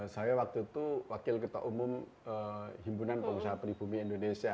saya waktu itu wakil ketua umum himpunan pengusaha peribumi indonesia